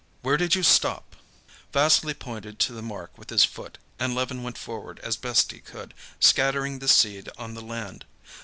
"Where did you stop?" Vassily pointed to the mark with his foot, and Levin went forward as best he could, scattering the seed on the land.